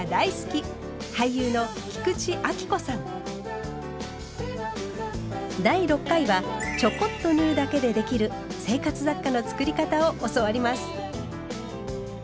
俳優の第６回はちょこっと縫うだけでできる生活雑貨の作り方を教わります。